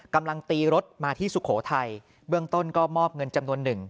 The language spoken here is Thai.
กำลังตีรถมาที่สุโขทัยเบื้องต้นก็มอบเงินจำนวนหนึ่ง